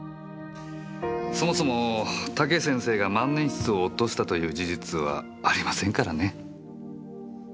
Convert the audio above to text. そもそも武先生が万年筆を落としたという事実はありませんからね。